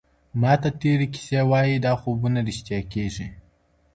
ماته تیري کیسې وايي دا خوبونه ریشتیا کیږي